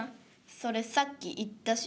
「それさっき言ったし」。